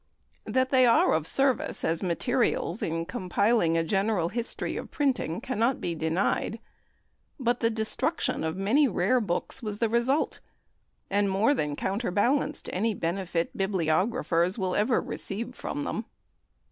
That they are of service as materials in compiling a general history of printing cannot be denied, but the destruction of many rare books was the result, and more than counter balanced any benefit bibliographers will ever receive from them.